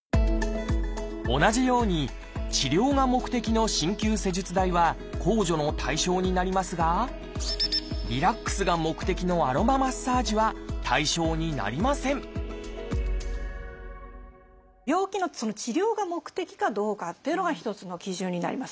同じように治療が目的の鍼灸施術代は控除の対象になりますがリラックスが目的のアロママッサージは対象になりません病気の治療が目的かどうかっていうのが一つの基準になります。